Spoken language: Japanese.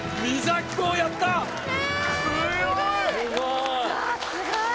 ・えすごい！